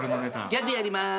ギャグやりまーす。